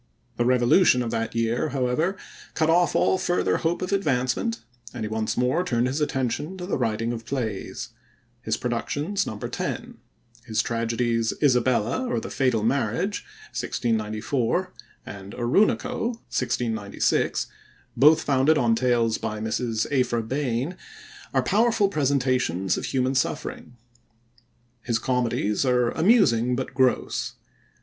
The Revolution of that year, however, cut off all further hope of advancement, and he once more turned his attention to the writing of plays. His productions number ten. His tragedies Isabella, or the Fatal Marriage (1694) and Oroonoko (1696), both founded on tales by Mrs. Aphra Behn, are powerful presentations of human suffering. His comedies are amusing, but gross.